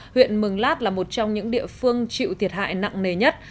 huyện mường lát là một trong những địa phương chịu thiệt hại nặng nề nhất